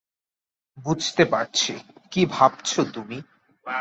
বুঝতে পারছি, কী ভাবছো তুমি।